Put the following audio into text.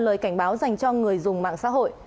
đó là lời cảnh báo dành cho người dùng mạng xã hội